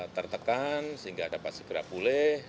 tertekan sehingga dapat segera pulih